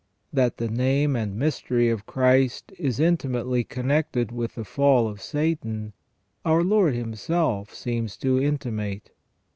That the name and mystery of Christ is intimately connected with the fall of Satan our Lord Himself seems to intimate.